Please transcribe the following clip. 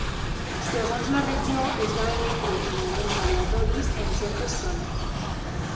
Segons la regió, es va emetre en moments aleatoris en certes zones.